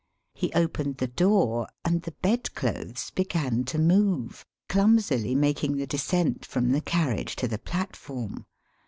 He opened the door and the bed clothes began to move, clumsily making the descent from the carriage to the platform.